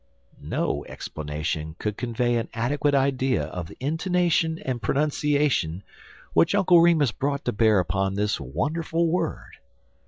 No explanation could convey an adequate idea of the intonation and pronunciation which Uncle Remus brought to bear upon this wonderful word.